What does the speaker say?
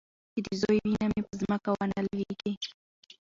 چې د زوى وينه مې په ځمکه ونه لوېږي.